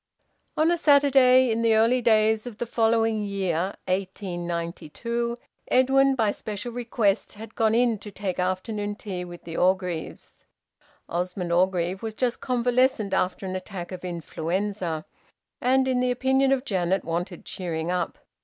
On a Saturday in the early days of the following year, 1892, Edwin by special request had gone in to take afternoon tea with the Orgreaves. Osmond Orgreave was just convalescent after an attack of influenza, and in the opinion of Janet wanted cheering up.